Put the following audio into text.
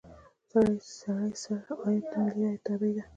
سړي سر عاید د ملي عاید تابع ده.